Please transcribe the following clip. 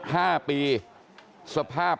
กลับไปลองกลับ